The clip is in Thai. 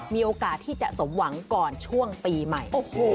มีโอกาสที่จะสมหวังก่อนช่วงปีใหม่